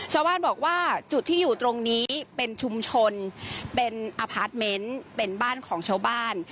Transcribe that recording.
ชาวบ้านบอกว่าจุดที่อยู่ตรงนี้เป็นชุมชนเป็นอพาร์ทเมนต์เป็นบ้านของชาวบ้าน